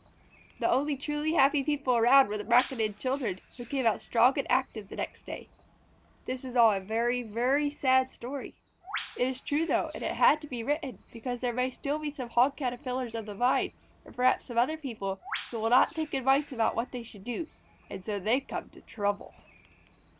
The only truly happy people around were the Braconid children, who came out strong and active the next day. This is all a very, very sad story. It is true, though, and it had to be written, because there may still be some Hog Caterpillars of the Vine, or perhaps some other people, who will not take advice about what they should do, and so they come to trouble.